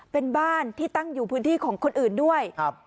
เป็นบ้านที่ตั้งอยู่พื้นที่ของคนอื่นด้วย